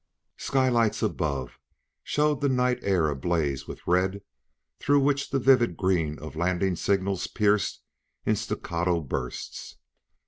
Skylights above showed the night air ablaze with red, through which the vivid green of landing signals pierced in staccato bursts.